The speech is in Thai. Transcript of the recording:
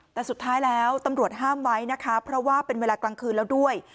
แต่สุดท้ายแล้วตำรวจห้ามไว้นะคะเพราะว่าเป็นเวลากลางคืนแล้วด้วย